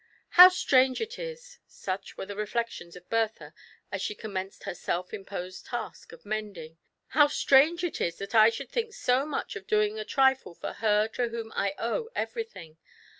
" How strange it is," such were the reflections of Bertha^ as she commenced her self imposed task of mend ing — "how strange it is that I should think so much of doing a trifle for her to whom I owe everything